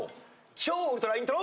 超ウルトライントロ。